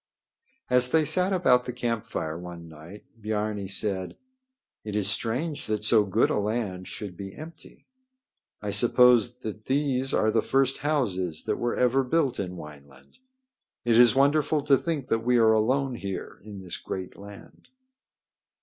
As they sat about the campfire one night, Biarni said: "It is strange that so good a land should be empty. I suppose that these are the first houses that were ever built in Wineland. It is wonderful to think that we are alone here in this great land."